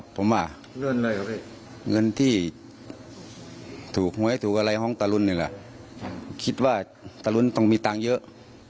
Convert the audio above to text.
ผมคิดว่าตรุณต้องมีเงินเยอะ